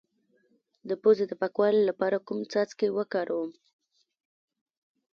د پوزې د پاکوالي لپاره کوم څاڅکي وکاروم؟